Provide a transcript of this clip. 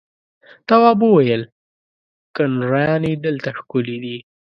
تواب وويل: کنریانې دلته ښکلې دي.